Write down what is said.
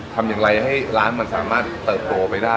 ทำอย่างไรให้ร้านมันสามารถเติบโตไปได้